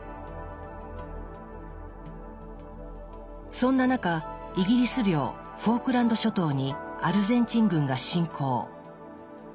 そんな中イギリス領フォークランド諸島にアルゼンチン軍が侵攻。